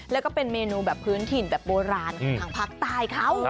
แล้วก็เป็นเมนูแบบพื้นถิ่นแบบโบราณของทางภาคใต้เขา